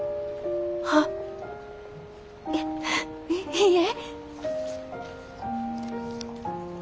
あいいいえ。